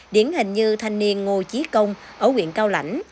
điển hình như thanh niên ngô chí công ở huyện cao lãnh